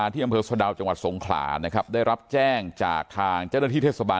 เพื่อเทียมพฤษทธรรมดาจังหวัดสงขลานะครับได้รับแจ้งจากทางเจ้าหน้าที่เทศบาล